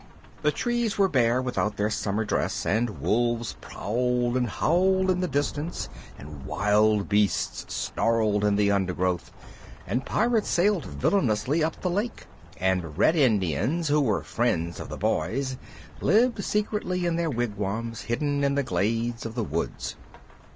The trees were bare without their summer dress, and wolves prowled and howled in the distance, and wild beasts snarled in the undergrowth, and Pirates sailed villainously up the lake, and Red Indians, who were friends of the boys, lived secretly in their wigwams hidden in the glades of the woods.